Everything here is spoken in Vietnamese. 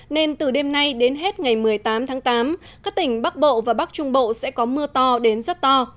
nên từ đêm nay đến hết ngày một mươi tám tháng tám các tỉnh bắc bộ và bắc trung bộ sẽ có mưa to đến rất to